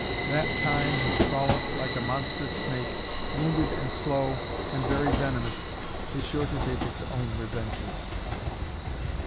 That "time which crawleth like a monstrous snake, wounded and slow and very venomous" is sure to take its own revenges.